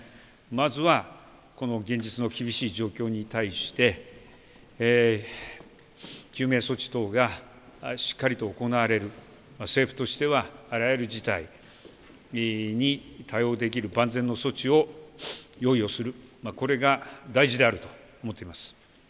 まずは、この現実の厳しい状況に対して救命措置等がしっかりと行われる政府としてはあらゆる事態に対応できる万全の措置を用意をするこれが大事であると思っています。